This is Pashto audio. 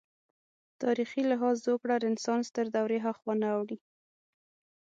تاریخي لحاظ زوکړه رنسانس تر دورې هاخوا نه اوړي.